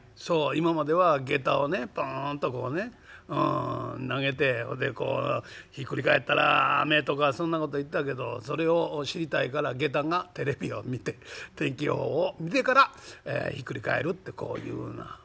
今まではげたをねポンとこうね投げてほんでこうひっくり返ったら雨とかそんなこと言ってたけどそれを知りたいからげたがテレビを見て天気予報を見てからひっくり返るってこういうふうなことよ」。